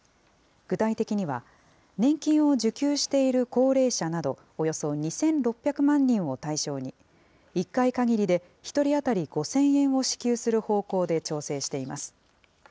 具体的には、年金を受給している高齢者など、およそ２６００万人を対象に、１回限りで、１人当たり５０００円を支給する方向で調整しています。